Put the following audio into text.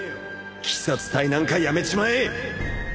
鬼殺隊なんかやめちまえ！